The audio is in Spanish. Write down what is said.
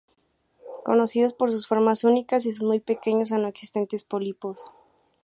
Conocidos por sus formas únicas y sus muy pequeños, a no existentes, pólipos.